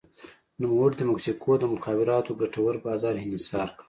نوموړي د مکسیکو د مخابراتو ګټور بازار انحصار کړ.